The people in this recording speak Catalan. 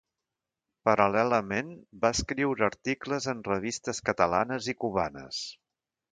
Paral·lelament va escriure articles en revistes catalanes i cubanes.